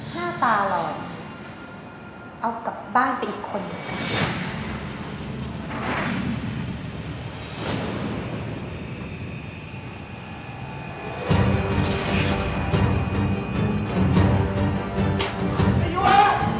หน้าตาหล่อยเอากลับบ้านไปอีกคนดิวะ